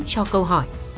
cho câu hỏi